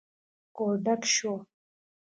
کور ډک شو.